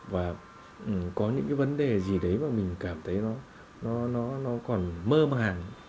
và có những cái vấn đề gì đấy và mình cảm thấy nó còn mơ màng